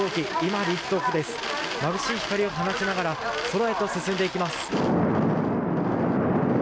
まぶしい光を放ちながら空へと進んでいきます。